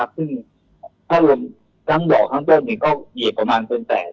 ซึ่งถ้ารวมทั้งด่อทั้งป้นยังเหยียบประมาณแสน